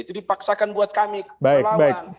itu dipaksakan buat kami relawan